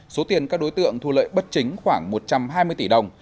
số tiền các đối tượng thu lợi bất chính khoảng một trăm hai mươi tỷ đồng